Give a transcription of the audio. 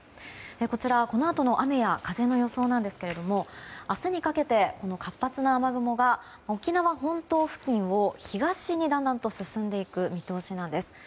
こちらは、このあとの雨や風の予想なんですが明日にかけて活発な雨雲が沖縄本島付近を東にだんだんと進んでいく見通しなんです。